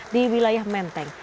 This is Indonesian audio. di wilayah menteng